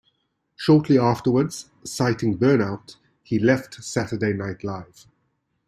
Shortly afterwards, citing burnout, he left "Saturday Night Live".